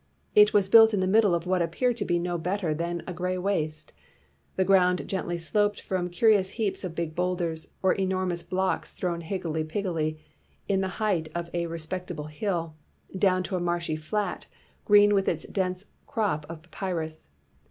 It was built in the middle of what appeared to be no better than a gray waste. The ground gently sloped from curious heaps of big boulders, or enormous blocks thrown higgelecty piggledy to the height of a respec 263 WHITE MAN OF WORK table hill, down to a marshy flat, green with its dense crop of papyrus.